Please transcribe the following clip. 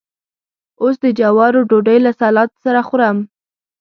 اوس د جوارو ډوډۍ له سلاد سره خورم.